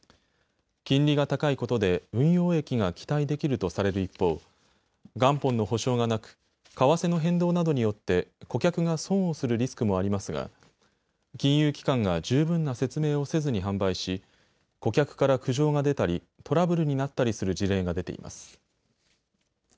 金利が高いことで運用益が期待できるとされる一方、元本の保証がなく為替の変動などによって顧客が損をするリスクもありますが金融機関が十分な説明をせずに販売し顧客から苦情が出たりトラブルになったりする事例が出ています。